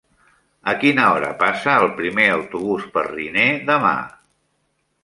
A quina hora passa el primer autobús per Riner demà?